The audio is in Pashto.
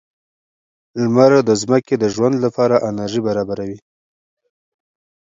لمر د ځمکې د ژوند لپاره انرژي برابروي.